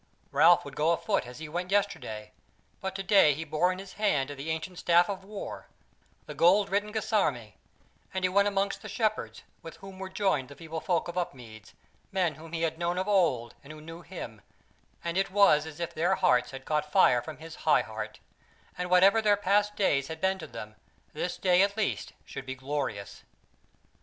Ralph would go afoot as he went yesterday; but today he bore in his hand the ancient staff of war, the gold written guisarme; and he went amongst the Shepherds, with whom were joined the feeble folk of Upmeads, men whom he had known of old and who knew him, and it was as if their hearts had caught fire from his high heart, and that whatever their past days had been to them, this day at least should be glorious.